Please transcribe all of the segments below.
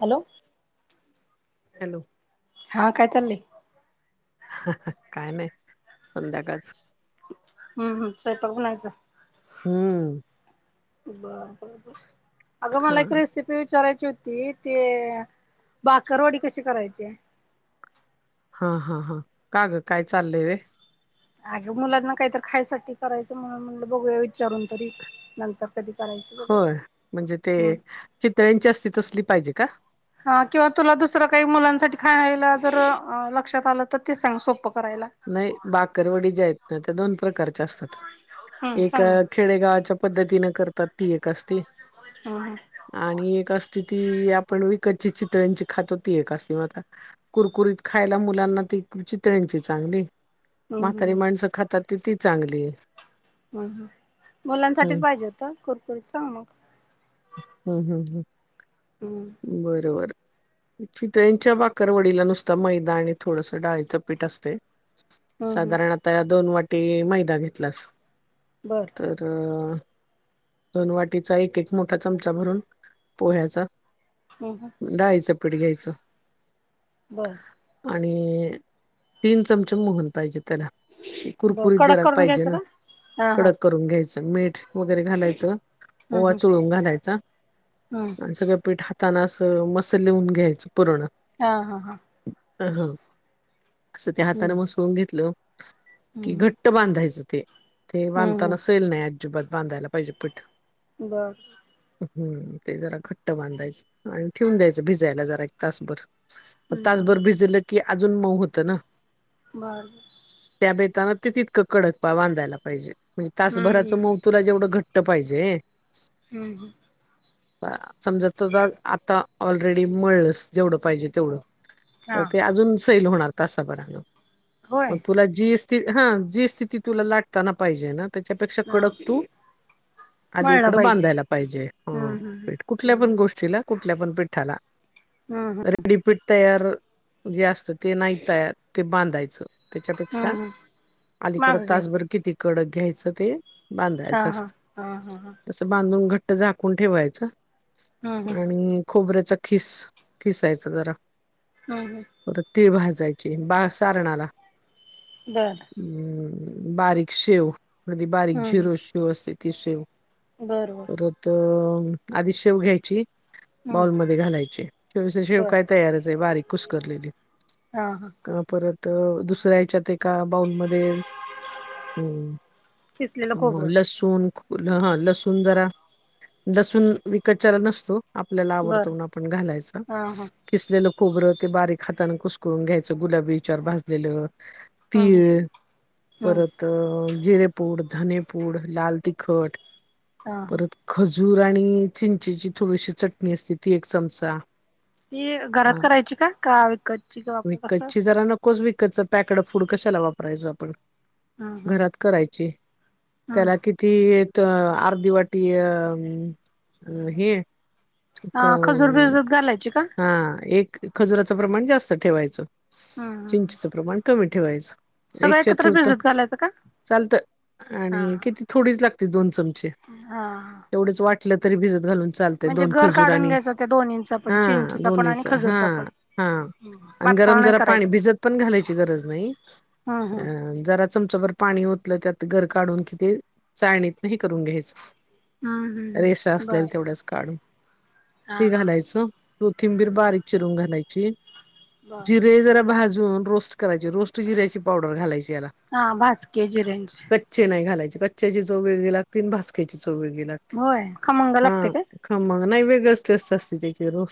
Hello hello हा काय चाललय? काय नाही संध्याकाच हम्म, हम्म स्वयंपाक बनायचा हम्म बर अगं हा मला एक रेसिपी विचारायची विचारात होती ते बाकरवाडी कशी करायची या हा, हा, हा का ग काय चाललंय होय. अगे मुलांना काहीत खायसाठी करायचं म्हणून म्हटलं बघूया विचारून तरी नंतर कधी करायचं होय बघायचं म्हणजे ते हम्म चितळ्यांची असती तसली पाहिजे का? हा किंवा तुला दुसरं काही मुलांसाठी खायला जर लक्षात आलं तर ते सांग सोप. नाही बाकरवडी ज्या आहेत ना त्या दोन प्रकारच्या असतात. हम्म एक सांग ना खेडेगावाच्या पद्धतीने करतात ती एक असते. हम्म हम्म आणि एक अस ति आपण विकतची चितळ्यांची खातो ती एक असती कुरकुरीत खायला मुलांना ती चितळची चांगली हम्म म्हातारी हम्म माणसं खातात त ती चांगली आहे. ह, ह मुलांसाठीच हम्म पाहिजे होत कुरकुरीत सांग मग. हम्म, हम्म, हम्म. हम्म बरोबर. चितळेच्या बाकरवडीला नुसत मैदा आणि थोडसं डाळीचं पीठ असते. हम्म हम्म साधारण आता दोन वाटी मैदा घेतलास बरं तर दोन वाटीचा एक एक मोठा चमचा भरून पोह्याचा हम्म हम्म. डाळीच पीठ घ्यायच. बर आणि तीन चमचे मोहन पाहिजे. त्याला बर कुरकुरीत कडक जरा करून पाहिजे घ्यायचं ना का हा हा कडक करून घ्यायच. मीठ वगैरे घालायचं हम्म ओवा हम्म चुळून घालायच हम्म आणि सगळं पीठ हात त्यांना अस मस लिहून घ्यायचं पूर्ण. हा, हा, हा. अ असं त्या हम्म हातानें मसळून घेतलं की हम्म घट्ट बांधायच. ते ते हम्म बांधताना हम्म सैल नाही अजिबात बांधायला पाहिजे पिठ बर. हम् ते जरा खट्ट बांधायचं आणि ठेवून द्यायचं भिजायला जरा एक तासभर मग तचबरोर हम्म भिजलं की अजून मऊ होतं ना. बर व हम्म हम्म पाहिजे हम्म हम्म समजा त आता ऑलरेडी मळलंस जेवढं पाहिजे तेवढं हा तर ते अजून सैल होणार तसा बर होय मग तुला जी हा जी स्थिती तुला लाटताना पाहिजे ना त्याच्यापेक्षा हा कडक तू आधी मळला इकड पाहिजे बांधायला पाहिजे ह हम्म हम्म कुठल्या पण हम्म गोष्टीला कुठल्या पण पठाला हम्म रेडीपीठ तयार जे असत ते नाही तयार ते बांधायच. हम्म त्याच्यापेक्षा हम्म अलीकड मागं घ्याच तासभर किती कडक घ्यायचं ते. हा बांधायचं हा असत हा हा हा तस बांधून घट्ट झाकून ठेवायच. हम्म हम्म आणि खोबऱ्याचा खिस खिसायचा जरा हम्म पर तीळ भाज जायची बा सारणाला हम्म बर बारीक शेव मध्ये बारीक हम्म झिर शेव असते ती शेव बर बर परत आधी शेव घ्यायची. हम्म बाउलमध्ये घालायची ते शेव बर काय तयारच आहे बारीक कुसकरलेली. हा हा का परत दुसऱ्या याच्यात एक का बाऊल मध्ये किसलेलं खोबरं लसूण हा लसूण जरा लसूण विकत चरा नसतो आपल्याला बर आवडतून आपण घालायच हा हा किसलेलं खबरं ते बारीक हाताान कुसकरून घ्यायचं गुलाबी विचार भाजलेलं हम्म तीळ हम्म परत जेपूड ूड लाल तिखट हा हा परत जूर आणि चिंचीची थोडीशी चटणी असते ती एक चमचा ती अ, घरात करायची का का विकतची वापर कस स विकत पॅकड फूड कशाला वापरायचं आपण हा हा घरात करायची हम्म त्याला किती अर्धी वाटी अ हे क ह खजूर बिजूर घालायच हा एक खजुराचं प्रमाण जास्त ठेवायचं हम्म चिंचीचं प्रमाण कमी ठेवायचं एक सगळं एकत्र चतुर्थ भिजत घालायचं का चालत हा आणि किती हा थोडीच लागते दोन चमचे हा तेवढेच वाटलं तरी भिजत घालून चालते म्हणजे दोन गर खजुर काढून आणि घ्यायचं त्या दोन्हींचा पण हा चिंचेचा पण आणि दोन्हीच हा खजूरचा पण हा आणि गरम पातळ नाही जरा पाणी करायचं भिजत पण घालायची गरज नाही हम्म हम्म ह जरा चमचा भर पाणी होतलं त्यात घर काढून किती चाळणीत नाही करून घ्यायचं हम्म रेषा हम्म बर असलेल तेवढ्याच काढून हा ते हा घालायचं कोथिंबीर बारीक चिरून घालायची बर जिरे जरा भाजून रोस्ट करायचे रोस्ट जिर्याची पावडर घालायची हा भाजके जिऱ्यांचे कच् नाही घालायचे कचची चो वेग लाग त भाक्याची च वेग लाग होय खमंग हा लागते काय ख मग नाही वेगळच टेस्ट असते त्याची रो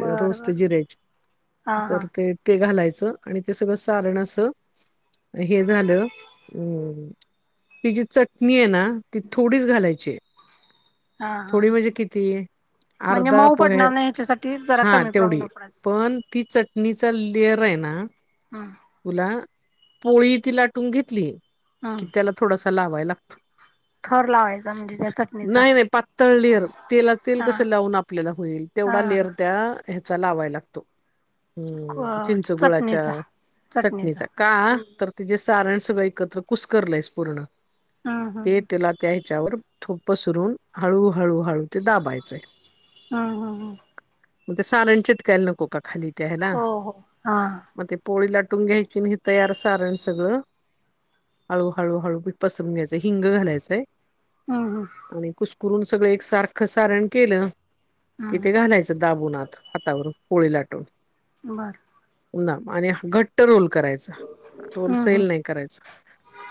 बर रोस्ट बर जिरेज हा हा हा तर ते ते घालायच आणि ते सगळं सारण अस हे झालं अम् ही जी चटणी आहे ना ती थोडीच घालायची हा हा थोडी मजे किती म्हणजे अर्धा मऊ पोह्या पडणार नाही ह्याच्यासाठी जरा हा कमी तेवढी प्रमाणात पडायचं. पण ती चटणीचा क्लयर आहेना हम्म तुला पोळी ती लाटून घेतली कि हम्म त्याला थोडासा लावाय लागतो थर लावायचा म्हणजे त्याचा. नाही नाही पातळ लेअर तेलात तेल हा कसं लावून आपल्याला होईल हा तेवढा लेअर त्या ह्याचा लावाय लागतो हम् हा चिंच गुळाच्या चटणीचा चटणीचा का तर तिचेे सारण सगळं एकत्र कुसकरलंयस पूर्ण. ते हम्म त्याला त्या ह्याच्यावर ठोप पसरून हळू हळू ते दाबायचे हाय. हा हा हा. मग ते सारंन चिटकाय नको का खाली त्या हयला हो हो हा मग ते पोळीला लाट कटून घ्यायची हे तयार साराण सगळं हळू हळू हळू पसून घ्यायचंय हिंग घालायचंय हम्म हम् करून सगळं एक सारखं सारण केलं कि थे हम्म घालायचं दाबून आत हातावरून पोळी लाटून बर हो ना आणि घट्ट रोल करायचा रोल हम्म हम्म सैल नाही करायचा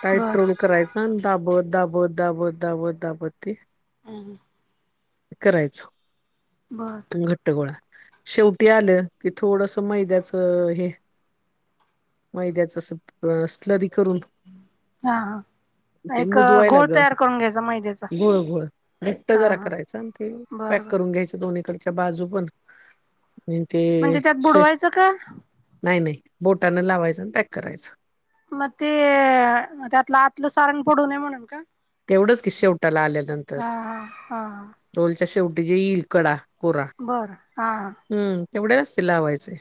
टाईट बर रोल करायचा आणि दाबत दाबत दाबत दाबत दाबत ते हम करायचं बर घट्टगोळा शेवटी आलं की थोडस मैद्याच हे मैद्याच अस स्लरी करून [unintelligible] हा हा. ते एक मुजवायला घोळ ग तयार करून घ्यायचा मैद्याचा गुळ गुळ घट्ट हा जरा हा करायचा ते ब्या बर बर करून घ्यायच दोनीकडुन बाजू पण आणि ते म्हणजे त्यात श बुडवायचं का नाही नाही बोटाने लावायचं आणि पॅक करायचं. मग ते त्यातलं आतलं सारण पडू नये म्हणून का. तेवढंच की, शेवटाला आल्यानंतर हा हा हा हा रोलच्या शेवटी जे ईल कडा. बरं हा हा. एवढ्यालाच ते लावायचे हाय.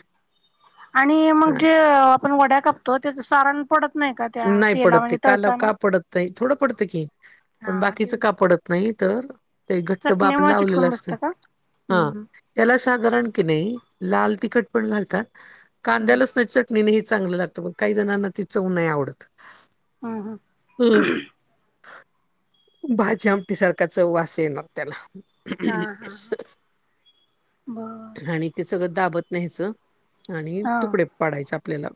आणि मग जे आपण वड्या कापतो त्याच सारण पडत नाही का त्या नाही तेला पडत ते म्हणजे काला तळताना का पडत नाही थोडं पडतं की, पण हा बाकीचं ते का पडत नाही तर ते घट्ट बा आपण चटणीमुळे लावलेलं चिटकून असतं बसतं का हा हम्म याला साधारण की नाही. लाल तिखट पण घालतात कांदा हम्म लसणाची चटणी हे चांगलं लागतं बघ काही जणांना ती चव नाही आवडत. हा हा. भाजी आमटी सारखाच वास येणार त्याला. हा हा हा बर आणि ते सगळं दाबत न्यायचं आणि हा तुकडे पाडायचे आपल्याला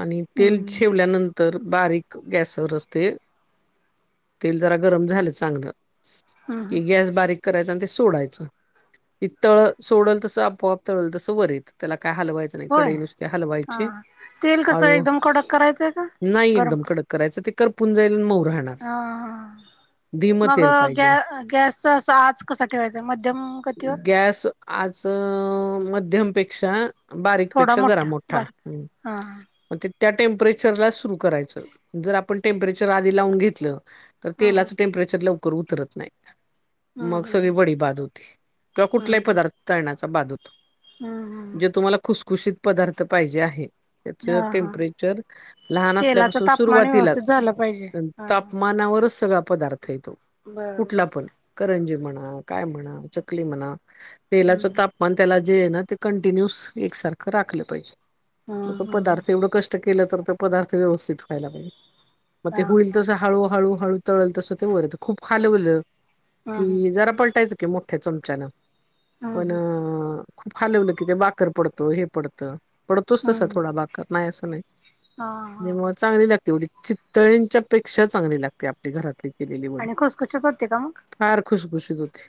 आणि तेल हम्म हम्म ठेवल्यानं तर बारीक गॅसवर असते तेल जरा गरम झालं चांगलं. हम्म की गॅस बारीक करायचं ते सोडायच तळ सोडल तस आपोआप तळलं तस वर येत त्याला काय काय हलवायचं नाही होय कडई नुसते हा हलवायचे तेल कसं आळू एकदम कडक करायचंय का नाही गरम एकदम कर कडक करायचं ते करपून जायला मग हा हा. मग तेल गॅ पाहिजे गॅस अस आज कसा ठेवायचं मध्यम गतीवर. अ मध्यमपेक्षा. बारीक थोडा पेक्षा जरा मोठा बारीक हा हा मग ते त्या टेम्परेचरला सुरु करायचं जर आपण टेम्परेचर आधी लावून घेतलं. तर हम्म हम्म तेलाचं टेम्परेचर लवकर उतरत नाही. हम्म मग हम्म सगळी हम्म वडी बाध होती, किंवा कुठलाही पदार्थ तळण्याचा बाध होती. हा हा. कुषित पदार्थ पाहिजे आहे त्याच हा हा टेम्परेचर. लहान तेलाच असल्यापासून तापमान व्यवस्थित सुरुवातीलाच झालं पाहिजे हा हा तापमानावर सगळा पदार्थ येतो बर कुठला बर पण बर करंजी म्हणा काय म्हणा चकली म्हणा. तेेलाच हम्म तापमान त्याला जे आहे ना ते कंटिन्युस एकसारखं राखलं पाहिजे. मग तो हम्म पदार्थ एवढं कष्ट केलं तर त पदार्थ व्यवस्थित व्हायला पाहिजे. मग हा ते होईल हा तसं हळूहळू हळू तळल तसं ते वरत खूप खालंलं. हा हा ती हा जरा पलटायचं की मोठ्या चमचान हा पण- खूप खालवलं की, ते बाकर पडतो हे पडतं पडतोच हा तसा थोडा बाकर नाही असं नाही हा तेव्हा हा चांगली लागते एवढी चितळ्यांच्या पेक्षा चांगली लागते आपली घरातली केलेली वडी आणि खुसखुशीत होते का मग फार खुशखुशीत होती.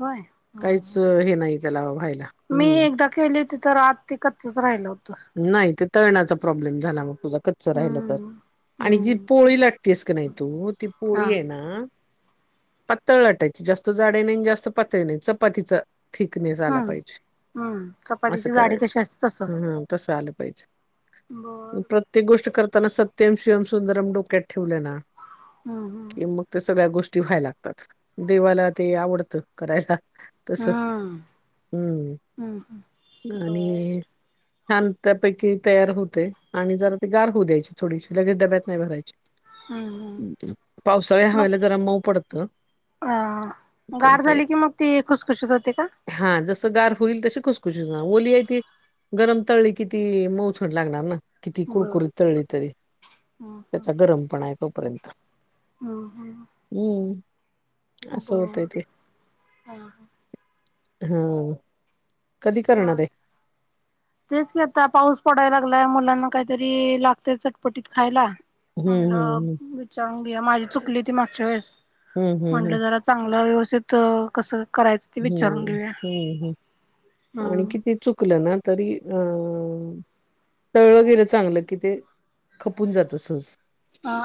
होय हा हा नाही त्याला व्हायला मी हम्म एकदा केली होती तर आत तिकचच रा राहिलं होत. नाही ते तळणाचा प्रॉब्लेम झाला मग तुझा कच्च राहिलं तर हम्म आणि जी हम्म पोळी लाटते का नाय तू ती हा पोळी आहे ना. पातळ लाटायची जास्त जाडे नाही जास्त पातळी नाही चपातीच थिकनेस आला हम्म पाहिजे हम्म असं चपातीची जाडी कशी असते तसं करायचला ह ह तसं आलं पाच बर प्रत्येक गोष्ट करताना सत्यम शिवम सुंदरम डोक्यात ठेवले ना. हम्म कि हम्म मग ते सगळ्या गोष्टी व्हाय लागतात देवाला ते आवडतं करायला. तस हम्म हम् हम्म बर आणि. छान त्यापैकी तयार होते आणि जरा ते गार होऊ द्यायची थोडीशी लगेच डब्यात नाही भरायची. हम्म हम्म पावसाळ्या हवेला जरा मऊ पडत ह. गार झाली की मग ती खुसखुशीत होते का. हां, जसं गार होईल तशी खुसखुशीत ओली आहे त गरम तळी किती मोजण लागणार ना. किती बर. कुरकुरी तळली तरी त्याचा गरम पण आहे तोपर्यंत हम ह. हं, असं बर होतंय ते. ह. हा. तेच क आता पाऊस पडायला. मुलांना काहीतरी लागते चटपटीत खायला हं, हं, हं. म्हच. माझी चुकली ती मागच्या वेळेस हं, हं, हं. म्हटलं जरा चांगलं व्यवस्थित कसं. करायचं ते विचारून हं, घेऊया. हं, हं. आणि हम्म. किती चुकलं ना तरी अ. तळलं गेलं चांगलं की ते खपून जात सज-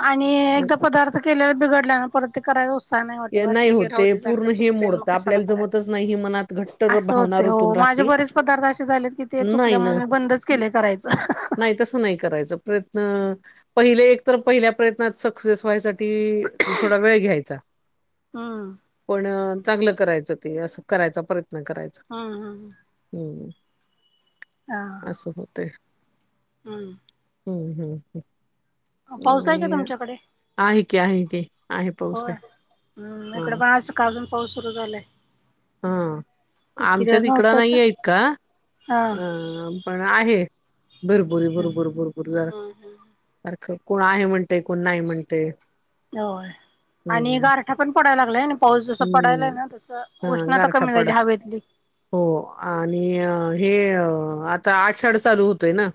आणि एकदा पदार्थ केलेला बिघडल्या ना परत ते करायचत. नाही वाटत ते वाट क होत राह ते सारखं पूर्ण हे चुकत मग मोडतं. कशाला आपल्याला करायच जमतच नाही ही मनात घट्ट असं भावना होते. रुतून माझे राहते. बरेच पदार्थ असे झालेत की ते नाही चुकल्यामुळे ना. मी बंदच केले करायच. नाही तसं नाही करायचं प्रयत्न पहिले एक तर पहिल्या प्रयत्नात सक्सेस व्हायसाठी. त थोडा वेळ घ्यायचा हम्म पण. चांगलं करायचं ते असं करायचा प्रयत्न करायचा. हम्म हम्म. ' '.. हा ' हा. 'असं होतय ' ' हम्म. ह हम्म. पाऊस आहे आणि का तुमच्याकडे? आहे की आहे की आहे पाऊस होय. आहे. हम्म हा इकडे पण आजं सकाळ पाऊस सुरू झालाय. हम! इतके आमच्या दिवस तिकडं नव्हता तर. नाहीये इतका? हा ह अ पण आहे भूर भूर भूर जरा.. क कोण आहे म्हणते कोण नाही म्हणतय. हो य आणि हम्म गारठा पण पडायला लागलाय. पाऊस जसा पडालाय हम्म ना तस हा उष्णता गारठा कमी पडा व्हाईलहवेतली हो आणि अ, हे अ आताआषाढ चालू होतोय ना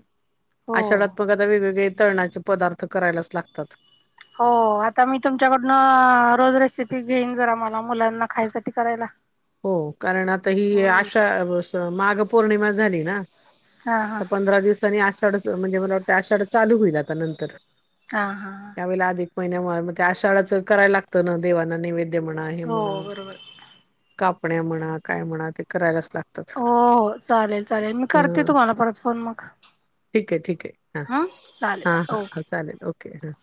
हो. आषाढात बघा वेगवेगळे तळणाचे पदार्थ करायलाच लागतात. हो अ आता मी तुमच्याकडनं रोज रेसिपी घेईन. जरा मला मुलांना खायसाठी करायला हो कारण आता हम्म. हीआषाढ माघ पौर्णिमा झाली ना. हा हा. पंधरा दिवसांनी आषाढच म्हणजे मला वाटतय आषाढ चालू होईल आता नंतर आ हा हा. महिन्यामधे म ते आषाढाच करायला लागत ना देवाांना नैवेद्य म्हणा हे हो म्हणा.. बरोबर कापण्या म्हणा काय म्हणा ते करायलाच लागतात. हो हो चालेल चालेल मी करते ह तुम्हाला परत फोन मग. ठीक आहे ठीक आहे हं चालेल अहा हा हा ओके चालेल ओके. ओके ह.. ' '..